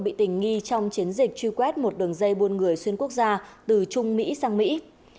bị tình nghi trong chiến dịch truy quét một đường dây buôn người xuyên quốc gia từ trung mỹ sang mỹ